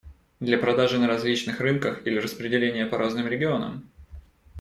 Для продажи на различных рынках или распределения по разным регионам?